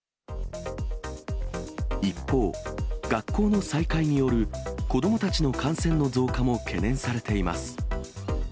一方、学校の再開による子どもたちの感染の増加も懸念されています。